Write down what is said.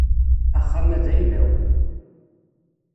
Axxam-a d ayla-w.